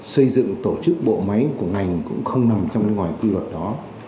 xây dựng tổ chức bộ máy của ngành cũng không nằm trong ngoài quy luật đó